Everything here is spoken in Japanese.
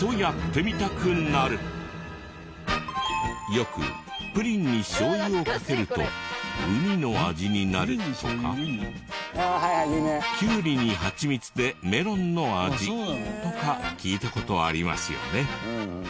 よく「プリンにしょう油をかけるとウニの味になる」とか「キュウリに蜂蜜でメロンの味」とか聞いた事ありますよね。